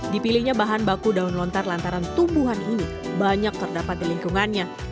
dipilihnya bahan baku daun lontar lantaran tumbuhan ini banyak terdapat di lingkungannya